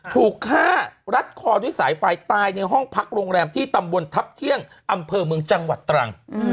ถูกฆ่ารัดคอด้วยสายไฟตายในห้องพักโรงแรมที่ตำบลทัพเที่ยงอำเภอเมืองจังหวัดตรัง